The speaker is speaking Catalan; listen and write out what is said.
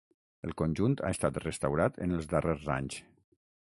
El conjunt ha estat restaurat en els darrers anys.